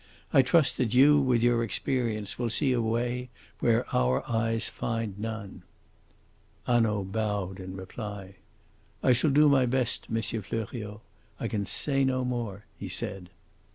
I trust that you, with your experience, will see a way where our eyes find none." Hanaud bowed in reply. "I shall do my best, M. Fleuriot. I can say no more," he said.